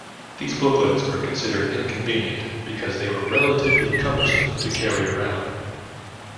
These booklets were considered inconvenient, because they were relatively cumbersome to carry around.